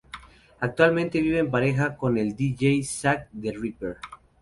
Actualmente vive en pareja con el dj Zack The Ripper.